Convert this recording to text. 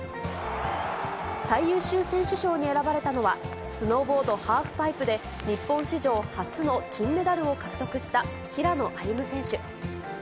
最優秀選手賞に選ばれたのは、スノーボードハーフパイプで、日本史上初の金メダルを獲得した平野歩夢選手。